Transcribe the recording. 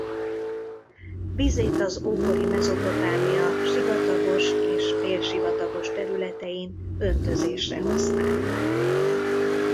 Vizét az ókori Mezopotámia sivatagos és félsivatagos területein öntözésre használták.